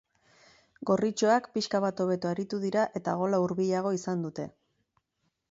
Gorritxoak pixka bat hobeto aritu dira eta gola hurbilago izan dute.